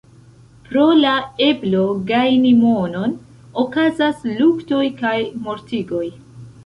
Pro la eblo gajni monon okazas luktoj kaj mortigoj.